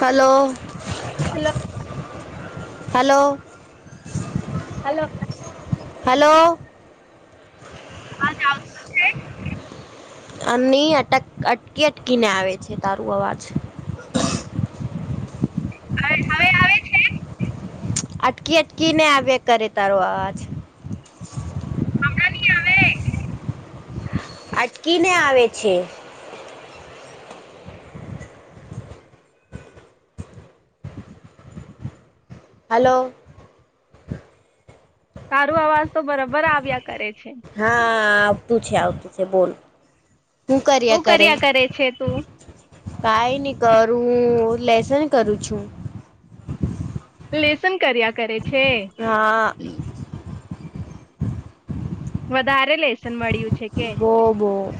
Hello. Hello hello. Hello. Hello. હ. નહીં, અટક અટકી અટકીને આવે છે તારું અવાજ. હ, હવે આવે છે. અટકી અટકી ને આવ્યા કરે તારો અવાજ. ની આવે. અટકી ને આવેે છે. હલો તારું અવાજ તો બરાબર આવ્યા કરે છે. હા આવતું છે આવતું છે બોલ હું કર્યા કરે કઈ નહી કરું લેસન કરું છું. લેસન કર્યા કરે છે. હા વધારે લેસન મળ્યું છે. કે બો બો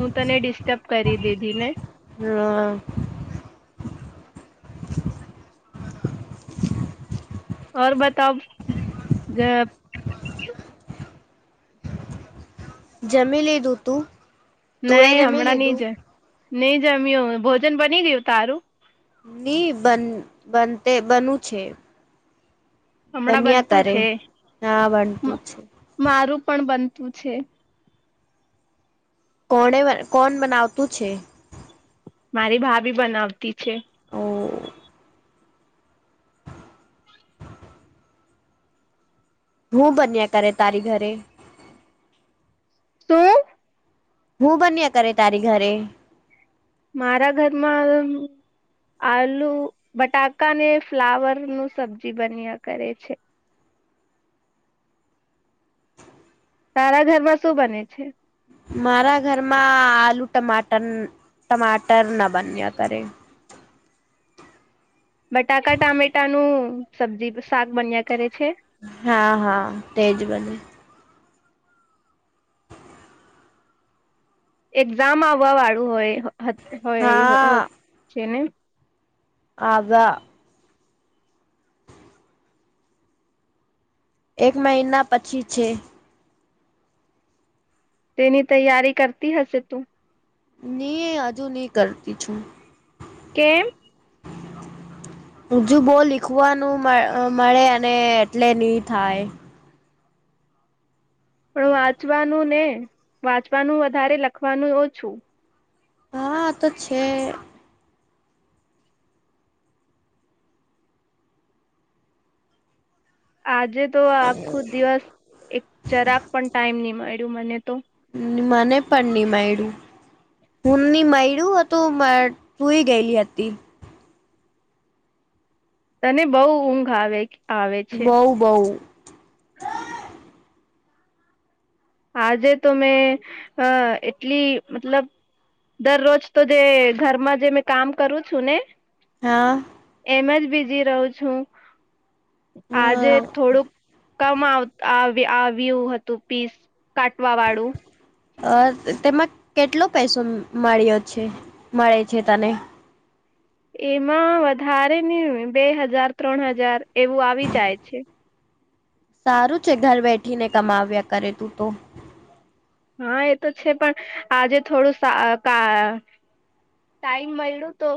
હું તને ડિસ્ટર્બ કરી દીધી ને. હમ ઓર બતાવ જે જમી લીધું તું તું એ નહી જમી હમણાં નહી લીધું? જ નહી જમ્યો. ભોજન બની ગયું તારું? ની બન બનતે બનુ છે. હમણાં બન્યા બનતું કરે છે હા બનતું માં છે મારું પણ બનતું છે. કોણે કોને બનાવતું છે? મારી ભાભી બનાવતી છે. હો હું બન્યા કરે તારી ઘરે. તો હું બન્યા કરે તારી ઘરે. મારા ઘરમાં આલુ બટાકા ને ફ્લાવર નું સબ્જી બન્યા કરે છે. તારા ઘરમાં શું બને છે? મારા ઘરમાં આલુ ટમાટર ટમાટર ના બન્યા કરે. બટાકા, ટામેટાનું સબ્જી શાક બન્યા કરે છે. હા હા, તેજ બને. એક્ઝામ આવવા વાળું હોય હોય હોત હા છે ને. આવા એક મહિના પછી છે. તેની તૈયારી કરતી હશે તું? નહીં હજુ નહી કરતી છું. કેમ? હજુ બહુ લીખવાનું મ મળે અને એટલે ની થાય. પણ વાંચવાનું ને વાંચવાનું વધારે, લખવાનું ઓછુ. હા, તો છે. આજે તો આખું દિવસ એક જરાક પણ ટાઈમ નહીં મળ્યું મને તો. મને પન નય મડ્યું. હુંની મયડું હતું, બટ હુંય ગયેલી હતી. તને બહુ ઊંઘ આવે. આવે છે બઉ બ‌ઉ આજે તો મેં અ એટલી, મતલબ દરરોજ તો જે ઘરમાં જે મેં કામ કરું છું ને. હા. એમ જ, બીઝી રહું છું. આજે થોડુંક કમ આવ આવ્યું હતું, પીસ કાટવાવાળું. અ તેમાં કેટલો પૈસો મળ્યો છે મળે છે તને? એમાં વધારે ને બે હજાર, ત્રણ હજાર એવું આવી જાય છે. સારું છે, ઘર બેઠીને કમાવ્યા કરે તું તો. હા, એ તો છે, પણ આજે થોડું સા કા ટાઈમ મળ્યું તો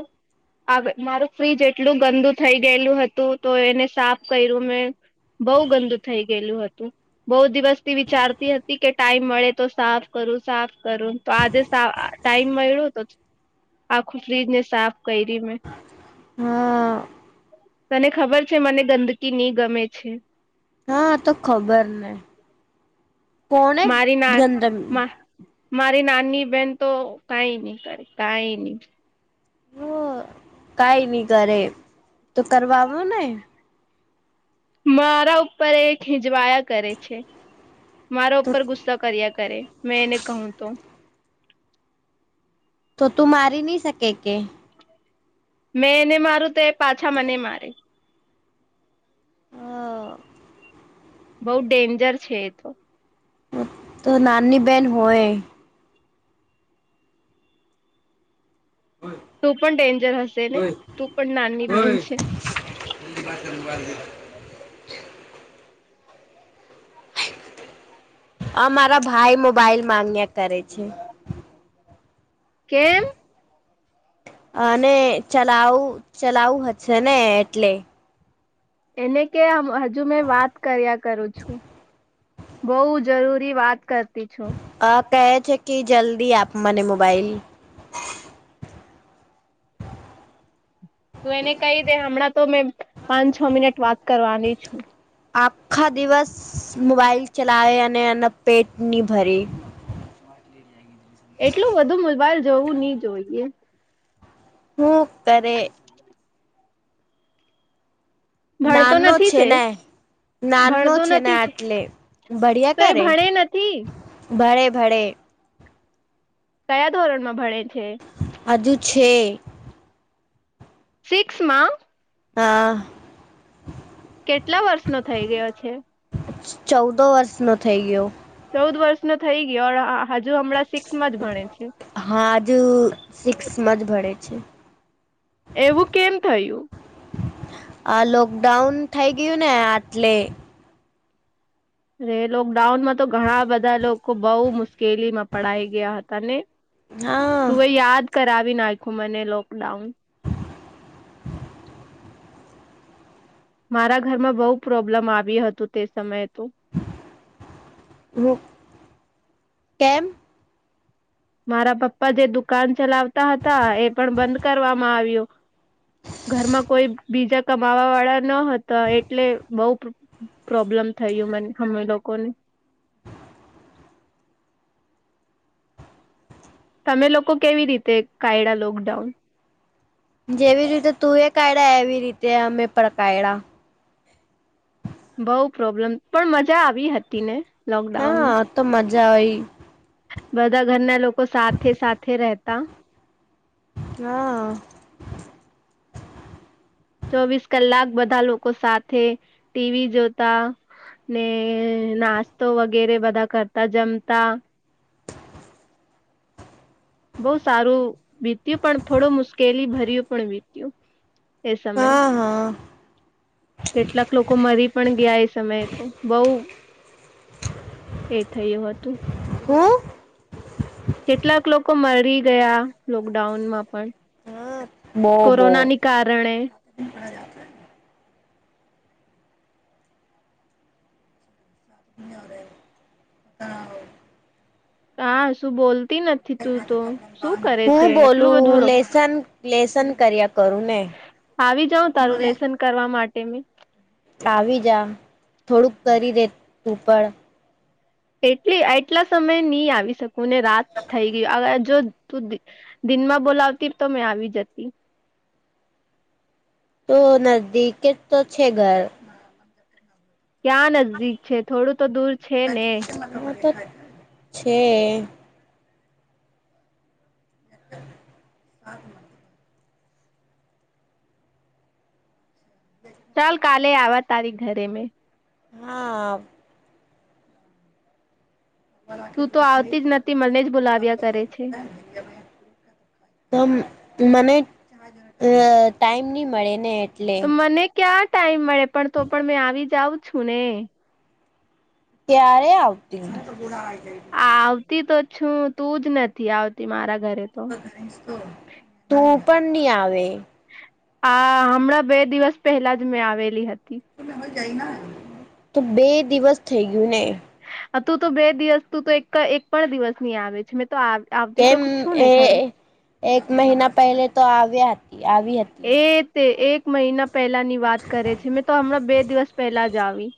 આગ મારું ફ્રીજ એટલું ગંદુ થઇ ગયેલું હતું, તો એને સાફ કર્યું મેં. બઉ ગંદુ થઇ ગયેલું હતું. બૌ દિવસથી વિચારતી હતી કે ટાઈમ મળે તો સાફ કરું, સાફ કરું. તો આજે સા ટાઈમ મળ્યો તો આખું ફ્રીજને સાફ કૈર્યુ મેં. હા. તને ખબર છે, મને ગંદકી નહીં ગમે છે. હા, તો ખબર ને, કોને મારી ના ગંદ મા મારી નાની બેન તો કંઈ નહીં કરે, કંઈ નહીં. કંઈ નહીં કરે તો કરવાવો ને. મારા ઉપર એ હિંજવાયા કરે છે. મારા તો ઉપર ગુસ્સા કર્યા કરે, મેં એને કહું તો. તો તું મારી નહી શકે કે? મેં એને મારું તો એ પાછા મને મારે. અ.. બઉ ડેન્જર છે એ તો. તો નાની બેહેન હોય. તું પણ ડેન્જર હશે ને? તું પણ નાની બેહેન છે. [inaudible] આ મારા ભાઈ મોબાઈલ માંગ્યા કરે છે. કેમ? અને ચલાવું ચલાવું હ છેને એટલે. એને કે હજુ મેં વાત કર્યા કરું છું. બઉ જરૂરી વાત કરતી છું. અ કહે છે કે જલ્દી આપ મને મોબાઈલ. તું એને કહી દે હમણાં તો મેં પાંચ છ મિનિટ વાત કરવાની છું. આખા દિવસ મોબાઈલ ચલાવે અને એના પેટ ની ભરી. એટલું બધું મોબાઈલ જોવું ની જોઈએ. હૂ કરે. [inaudible] ભણતો નાનો નથી છે છેને! નાનો ભણતો છે ને નથી આટલે ભડિયા તો એ કરે. ભણે નથી ભણે ભડે. કયા ધોરણમાં ભણે છે? હજુ છે. સિક્સમાં હા. કેટલા વર્ષનો થઈ ગયો છે? ચૌદો વર્ષનો થઈ ગયો. ચૌદ વર્ષનો થઈ ગયો હજુ હમણાં સિક્સમાં જ ભણે છે? આજુ સિક્સમાં જ ભણે છે. એવું કેમ થયું? આ લોકડાઉન થઈ ગયું ને આટલે. અ લોકડાઉનમાં તો ઘણા બધા લોકો બઉ મુશ્કેલીમાં પડાઈ ગયા હતા ને? હા તું એ યાદ કરાવી નાખુ મને લોકડાઉન. મારા ઘરમાં બઉુ પ્રોબ્લમ આવ હતું તે સમયે તો અ કેમ. મારા પપ્પા જે દુકાન ચલાવતા હતા એ પણ બંધ કરવામાં આવ્યો ઘરમાં કોઈ બીજા કમાવા વાળા ન હતા એટલે બઉ પ્રોબ્લેમ થયું મને અમે લોકો ને તમે લોકો કેવી રીતે કાયડા લોકડાઉન? જેવી રીતે તું એ કાયદા એવી રીતે અમે પ કાયદા. બઉ પ્રોબ્લેમ, પણ મજા આવી હતી ને. હા લોકડાઉનમાં તો મજા હોય બધા ઘરના લોકો સાથે સાથે રહેતા હા. ચોવીસ કલાક બધા લોકો સાથે ટીવી જોતા ને નાસ્તો વગેરે બધા કરતા જમતા બહુ સારું વીત્યું, પણ થોડું મુશ્કેલી ભર્યું પણ વીત્યું એ સમય. હા હા કેટલાક લોકો મરી પણ ગયા એ સમયે તો બઉ એ થયું હતું. હમ. કેટલાક લોકો મરી ગયા લોકડાઉનમાં પણ હા બો બો કોરોનાની કારણે [inaudible] [inaudible] કા શું બોલતી નથ તું તો શું કરે છે હું એટલું બધું બોલું લો લેસન લેસન કર્યા કરું ને આવી જાઉ તારું લેસન કરવા માટે મેં આવી જા થોડુંક કરી દેજે તું પણ એટલી એટલા સમય નહી આવી શકું ને રાત થઈ ગય હવ જો તું દિનમાં બોલાવતી તો મેં આવી જતી તો નજદીક જ તો છે ઘર. ક્યાં નજદીક છે થોડું તો દૂર છે ને હ તો છે. [inaudible] [inaudible] ચાલ કાલે આવા તારીખ ઘરે મે હા. તું તો આવતી જ નથી મને જ બોલાવ્યા કરે છે તો મને ટાઈમ નહી મળે ને એટલે તો મને ક્યા ટાઈમ મળે પણ તો પણ મેં આવી જાઉં છું ને ક્યારે આવતી આવતી તો છું તું જ નથી આવતી મારા ઘરે તો તું પણ નહી આવે આ હમણાં બે દિવસ પહેલાં જ મેં આવેલી હતી. તો બે દિવસ થઈ ગયું ને તું તો બે દિવસ તું તો એક પણ દિવસ ની આવે છે મેં તો આવતી તો કેમ છું ને એ ખરું એક મહિના પહેલે તો આવ્યા હતી આવી હતી. એ તે એક મહિના પહેલા ની વાત કરે છે મેં તો હમણાં બે દિવસ પહેલા જ આવી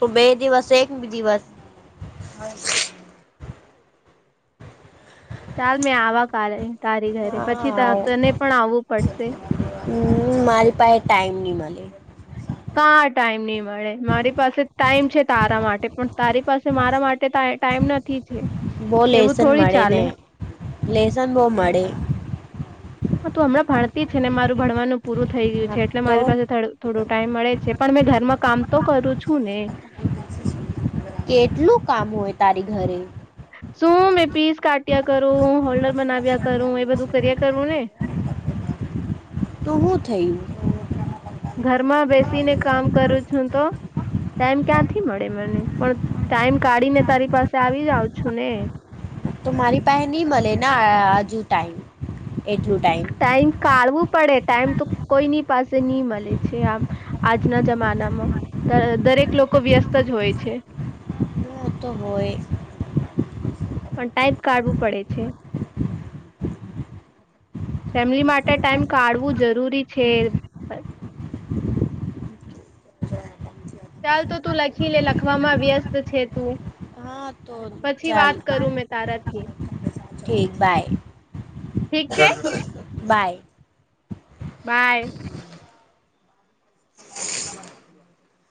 તો બે દિવસ એક દિવસ ચાલ મેં આવા કાલે તારી ઘરે પછી હા તને પણ આવવું પડશે. હમ માલ પાય ટાઈમ નહી મળે કા ટાઈમ નહી મળે મારી પાસે ટાઈમ છે તારા માટે પણ તારી પાસે મારા માટે ત ટાઈમ નથી છે એવું થોડી ચાલે લસન બહવ મળે હ તું હમણાં ભતી છે ને મારું ભણવાનું પૂરું થઈ ગયું હા છે એટલે તો મારી પાસે થ થોડો ટાઈમ મળે છે પણ મેં ઘરમાં કામ તો કરું છું ને કેટલું કામ હોય તારી ઘરે શું મેં પીસ કાટ્યા કરું હોલ્ડર બનાવ્યા કરું એ બધું કર્યા કરું ને તોવું થઈ ઘરમાં બેસીને કામ કરું છ હું તો ટાઈમ ક્યાંથી મળે મને પણ ટાઈમ કાઢી ને તારી પાસે આવી જાાવં છું ને. તો મારી પાસે નહીં મળે હજુ ટાઈમ એટલું ટાઈમ ટાઈમ કાઢવું પડે ટાઈમ તો કોઈની પાસે નહી મળે છે આમ આજના જમાનામાં દરેક લોકો વ્યસ્ત જ હોય છે. સમય પણ ટાઈપ કાઢવું પડે છે. ફેમિલી માટે ટાઈમ કાઢવું જરૂરી છે. ચાલ તો તું લખી લે લખવામાં વ્યસ્ત છે તું હા તો પછી વાત કરું મે તારા થી ઠી બાય ઠીક છે બાય બાય [inaudible]